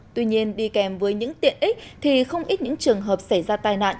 tuy nhiên đi kèm với những tiện ích thì không ít những trường hợp xảy ra tai nạn